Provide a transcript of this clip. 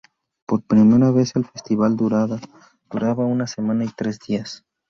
Por primera vez el festival duraba una semana y tres días.